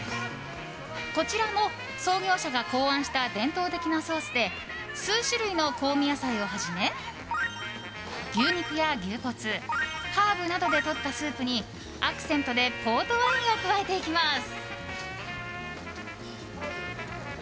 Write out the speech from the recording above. こちらも創業者が考案した伝統的なソースで数種類の香味野菜をはじめ牛肉や牛骨ハーブなどでとったスープにアクセントでポートワインを加えています。